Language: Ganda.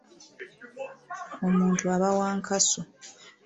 Omuntu aba wa nkasu.